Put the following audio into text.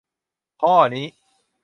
ข้อนี้